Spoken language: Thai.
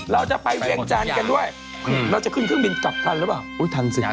เราจะไปเวียงจันทร์กันด้วยเราจะขึ้นเครื่องบินกลับทันหรือเปล่าอุ๊ยทันสิ